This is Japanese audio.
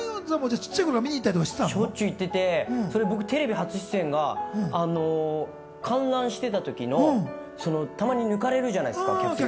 ちっちゃい頃よく行ってて、テレビ初出演は観覧してた時のたまに抜かれるじゃないですか。